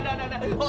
aduh aduh aduh aduh